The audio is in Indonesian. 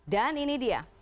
dan ini dia